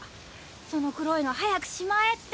その黒いの早く仕舞えって。